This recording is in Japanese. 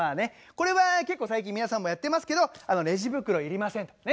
これは結構最近皆さんもやってますけど「レジ袋いりません」ね。